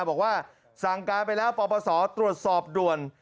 บอกว่าสั่งการไปแล้วปปศตรวจสอบด่วน